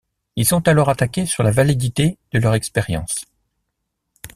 Ils sont alors attaqués sur la validité de leur expérience.